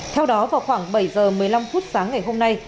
theo đó vào khoảng bảy giờ một mươi năm phút sáng ngày hôm nay